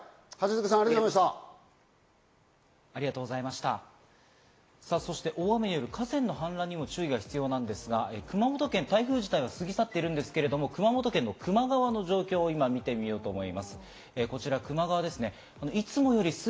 八塚さん、ありがとうございましそして大雨による河川の氾濫に注意が必要なんですが、熊本県、台風自体は過ぎ去っているんですけれど熊本県球磨川の状況を見てみようと思います。